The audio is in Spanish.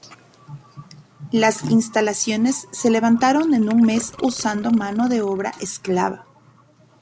Las instalaciones se levantaron en un mes usando mano de obra esclava.